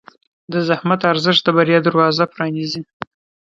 د زحمت ارزښت د بریا دروازه پرانیزي.